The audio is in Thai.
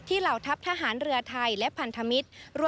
เหล่าทัพทหารเรือไทยและพันธมิตร